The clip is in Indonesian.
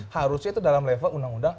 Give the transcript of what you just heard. harusnya itu dalam level undang undang